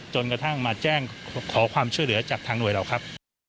จนกระทั่งมาแจ้งขอความช่วยเหลือจากทางหน่วยเราครับ